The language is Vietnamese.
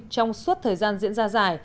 trong suốt thời gian diễn ra